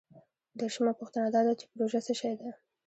دیرشمه پوښتنه دا ده چې پروژه څه شی ده؟